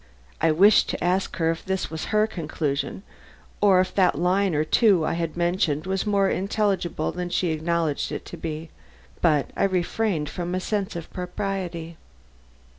I wished to ask her if this was her conclusion or if that line or two I have mentioned was more intelligible than she had acknowledged it to be. But I refrained from a sense of propriety.